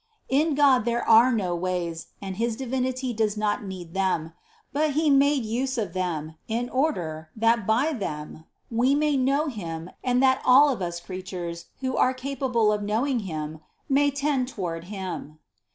In God there are no ways, and his Divinity does not need them : but He made use of them, in order, that by them we may know Him and that all of us creatures, who are capable of knowing Him, may tend toward Him.